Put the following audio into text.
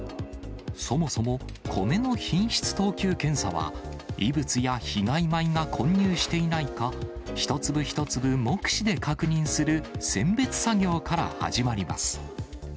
そもそも米の品質等級検査は、異物や被害米が混入していないか、一粒一粒目視で確認する選別作業から始まります。